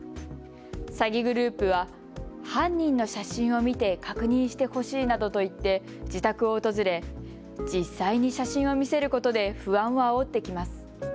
詐欺グループは犯人の写真を見て確認してほしいなどと言って自宅を訪れ実際に写真を見せることで不安をあおってきます。